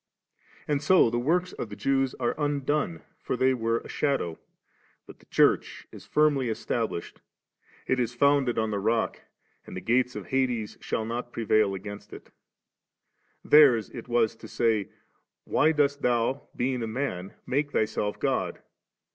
And so the works of the Jews are undone, for they were a shadow; but the Church is firmlj established ; it is ' founded on the rock,' and * the gates of hades shall not prevail against its.' Theirs^ it was to say, ' Why dost Thou, beii^ a man, make Thyself God